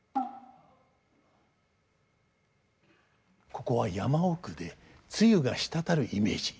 ここは山奥で露が滴るイメージ。